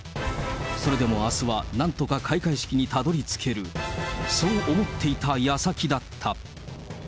それでもあすは、なんとか開会式にたどりつける、そう思っていたやさきだった。